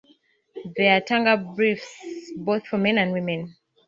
There are tanga briefs both for men and for women.